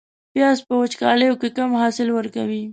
پیاز په وچکالو کې کم حاصل ورکوي